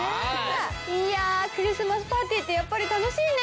いやクリスマスパーティーってやっぱり楽しいね。